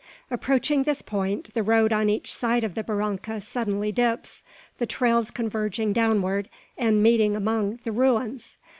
Approaching this point, the road on each side of the barranca suddenly dips, the trails converging downward, and meeting among the ruins.